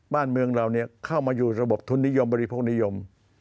บ้านเมืองเราเข้ามาอยู่ระบบทุนนิยมบริโภคนิยม